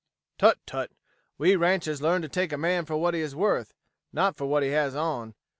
"Tut, tut. We ranchers learn to take a man for what he is worth, not for what he has on.